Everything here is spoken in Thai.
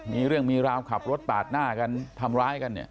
มีเรื่องมีราวขับรถปาดหน้ากันทำร้ายกันเนี่ย